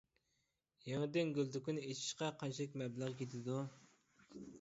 يېڭىدىن گۈل دۇكىنى ئېچىشقا قانچىلىك مەبلەغ كېتىدۇ؟